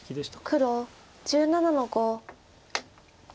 黒１７の五。